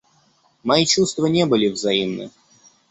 Мои чувства не были взаимны.